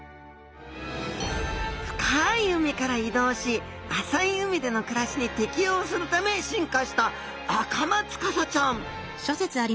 深い海から移動し浅い海での暮らしに適応するため進化したアカマツカサちゃん